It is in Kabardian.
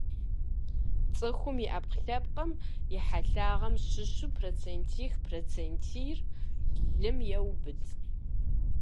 Цӏыхум и ӏэпкълъэпкъым и хьэлъагъым щыщу процентих-процентийр лъым еубыд.